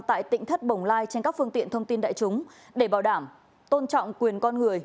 tại tỉnh thất bồng lai trên các phương tiện thông tin đại chúng để bảo đảm tôn trọng quyền con người